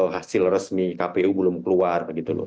hasil resmi kpu belum keluar